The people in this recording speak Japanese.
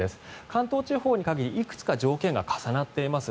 関東地方いくつか条件が重なっています。